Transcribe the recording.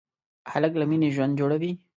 هلک له مینې ژوند جوړوي.